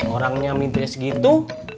orangnya minta segitu